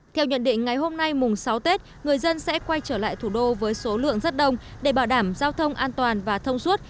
theo nhận định ngày hôm nay mùng sáu tết người dân sẽ quay trở lại thủ đô với số lượng rất đông để bảo đảm giao thông an toàn và thông suốt